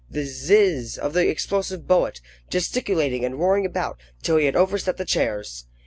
the zizz of the explosive bullet gesticulating and roaring about till he had overset the chairs.